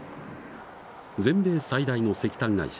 全米最大の石炭会社